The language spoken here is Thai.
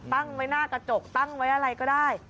ตั้งไว้หน้ากระจกตั้งไว้อะไรก็ได้